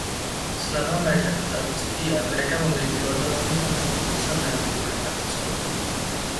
Selama mereka tetap setia, mereka memiliki otonomi yang cukup besar dari pemerintah pusat.